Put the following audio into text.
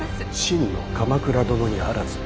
真の鎌倉殿にあらず。